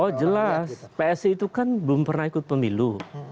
oh jelas psi itu kan belum pernah ikut pemilu